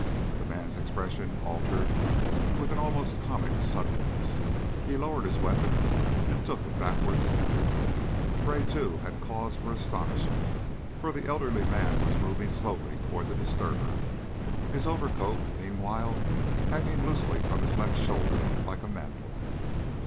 The man's expression altered with almost comic suddenness, he lowered his weapon and took a backward step. Gray, too, had cause for astonishment, for the elderly man was moving slowly toward the disturber, his overcoat, meanwhile, hanging loosely from his left shoulder, like a mantle.